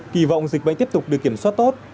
kỳ vọng dịch bệnh tiếp tục được kiểm soát tốt